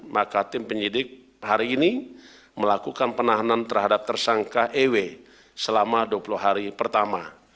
maka tim penyidik hari ini melakukan penahanan terhadap tersangka ew selama dua puluh hari pertama